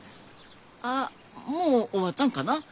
あもう終わったんかな？